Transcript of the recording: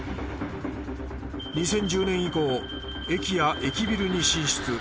２０１０年以降駅や駅ビルに進出。